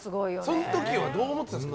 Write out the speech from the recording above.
その時はどう思ってたんですか。